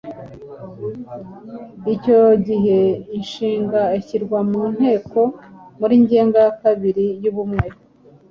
icyo gihe inshinga ishyirwa mu ntegeko muri ngenga ya kabiri y’ubumwe